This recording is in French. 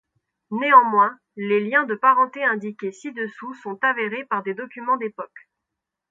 Néanmoins les liens de parenté indiqués ci-dessous sont avérés par des documents d'époque.